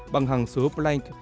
bằng hàng số planck